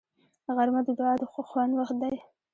غرمه د دعا د خوند وخت دی